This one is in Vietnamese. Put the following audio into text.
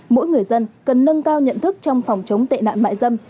mỗi người dân cần nâng cao nhận thức trong phòng chống tệ nạn mại dâm